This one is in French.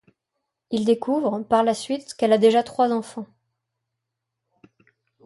Il découvre, par la suite, qu'elle a déjà trois enfants.